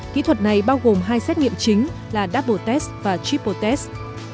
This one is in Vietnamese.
kỹ thuật này bao gồm hai xét nghiệm chính là double test và triple test